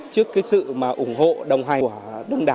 trước sự ủng hộ đồng hành